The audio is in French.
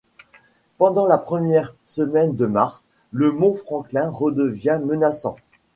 Pendant la première semaine de mars, le mont Franklin redevint menaçant.